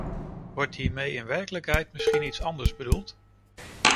Wordt hiermee in werkelijkheid misschien iets anders bedoeld?